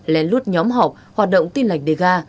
lén lút nhóm học hoạt động tin lạnh đi gà